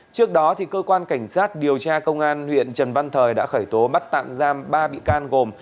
trước đó cơ quan cảnh sát điều tra công an huyện trần văn thời đã khởi tố bắt tạm giam ba bị can gồm